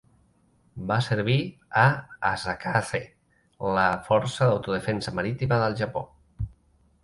Va servir a Asakaze, la Força d'Autodefensa Marítima del Japó.